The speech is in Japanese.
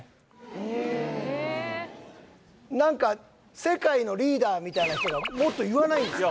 へえ何か世界のリーダーみたいな人がもっと言わないんですか？